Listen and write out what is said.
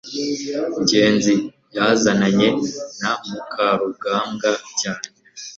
ngenzi yazananye na mukarugambwa cyane